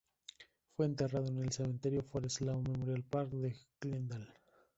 Fue enterrado en el Cementerio Forest Lawn Memorial Park de Glendale.